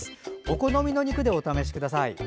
お好みの肉でお試しください。